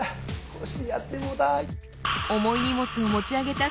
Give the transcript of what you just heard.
腰やってもうた。